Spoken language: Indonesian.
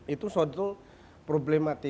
itu suatu problematik